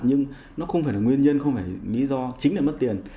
nhưng nó không phải là nguyên nhân không phải lý do chính là mất tiền